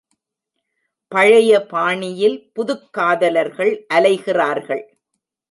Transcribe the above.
பழைய பாணியில் புதுக் காதலர்கள் அலைகிறார்கள்.